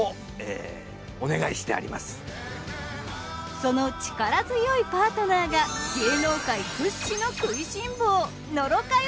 その力強いパートナーが芸能界屈指の食いしん坊。